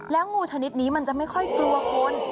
งูชนิดนี้มันจะไม่ค่อยกลัวคน